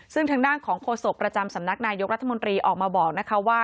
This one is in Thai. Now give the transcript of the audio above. ซึ่งทางด้านของโฆษกประจำสำนักนายกรัฐมนตรีออกมาบอกนะคะว่า